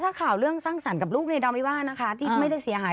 ถ้าข่าวเรื่องสร้างสรรค์กับรุ่งเวย์ดำว่าการที่ไม่ได้เสียหาย